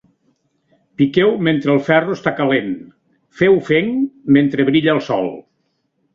Piqueu mentre el ferro està calent Feu fenc mentre brilla el sol.